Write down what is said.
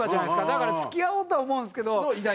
だから付き合おうとは思うんですけど。